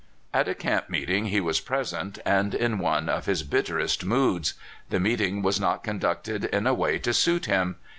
At a camp meeting he was present, and in one of his bitterest moods. The meeting was not conducted in a way to suit him.